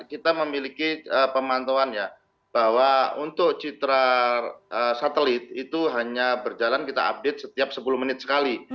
kita memiliki pemantauan ya bahwa untuk citra satelit itu hanya berjalan kita update setiap sepuluh menit sekali